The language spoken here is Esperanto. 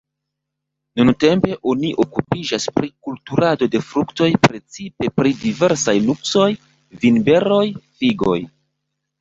Nuntempe oni okupiĝas pri kulturado de fruktoj, precipe pri diversaj nuksoj, vinberoj, figoj.